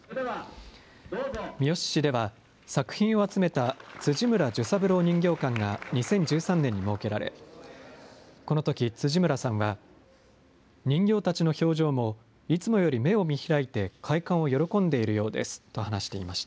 三次市では、作品を集めた辻村寿三郎人形館が２０１３年に設けられ、このとき、辻村さんは、人形たちの表情もいつもより目を見開いて開館を喜んでいるようですと話していました。